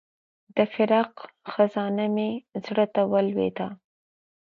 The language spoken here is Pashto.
د فراق خزانه مې زړه ته ولوېده.